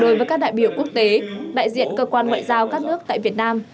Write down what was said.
đối với các đại biểu quốc tế đại diện cơ quan ngoại giao các nước tại việt nam